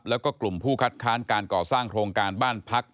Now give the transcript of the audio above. แล้วก็กลุ่มผู้คัดค้านการก่อสร้างโครงการบ้านพัก